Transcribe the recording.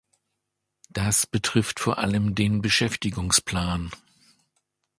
Das betrifft vor allem den Beschäftigungsplan.